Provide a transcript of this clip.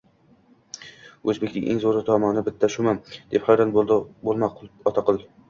– O‘zbekning eng zo‘r tomoni bitta shumi, deb hayron bo‘lma, Otaqul